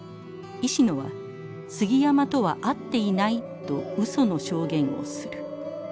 石野は「杉山とは会っていない」とうその証言をする。